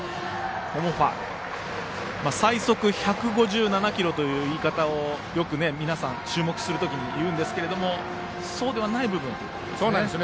最速１５７キロという言い方を皆さん、注目するときに言うんですけどもそうではない部分なんですね。